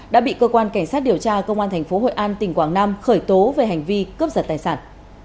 đã bị cơ quan cảnh sát điều tra công an tp hội an tỉnh quảng nam khởi tố về hành vi cướp giật tài sản